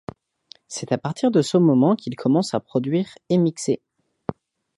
C’est à partir de ce moment qu’il commence à produire et mixer.